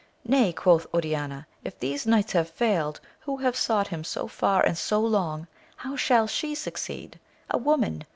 Nay, quoth Oriana, if these knights have failed, who have sought him so far and so long, how shall she succeed? a woman